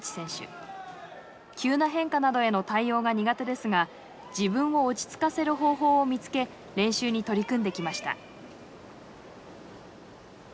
急な変化などへの対応が苦手ですが自分を落ち着かせる方法を見つけ練習に取り組んできました。